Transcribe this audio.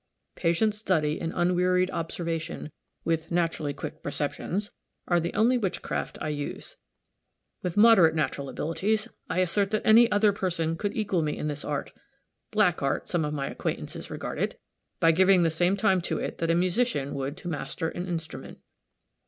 Patient study and unwearied observation, with naturally quick perceptions, are the only witchcraft I use. With moderate natural abilities, I assert that any other person could equal me in this art (black art, some of my acquaintances regard it,) by giving the same time to it that a musician would to master an instrument."